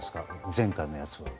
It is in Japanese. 前回のやつは。